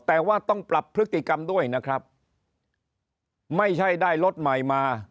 แต่ว่าต้องปรับพฤติกรรมด้วยนะครับไม่ใช่ได้รถใหม่มา